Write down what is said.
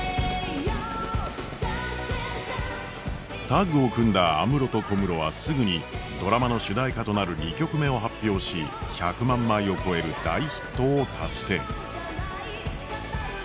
タッグを組んだ安室と小室はすぐにドラマの主題歌となる２曲目を発表し１００万枚を超える大ヒットを達成。